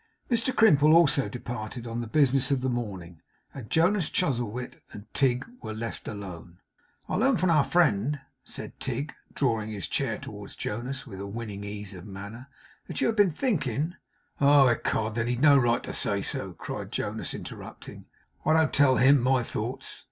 Mr Crimple also departed on the business of the morning; and Jonas Chuzzlewit and Tigg were left alone. 'I learn from our friend,' said Tigg, drawing his chair towards Jonas with a winning ease of manner, 'that you have been thinking ' 'Oh! Ecod then he'd no right to say so,' cried Jonas, interrupting. 'I didn't tell HIM my thoughts.